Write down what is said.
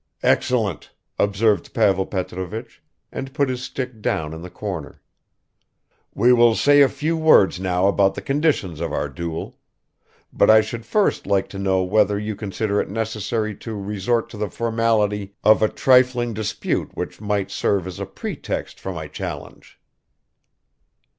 "Excellent," observed Pavel Petrovich, and put his stick down in the corner. "We will say a few words now about the conditions of our duel; but I should first like to know whether you consider it necessary to resort to the formality of a trifling dispute which might serve as a pretext for my challenge?"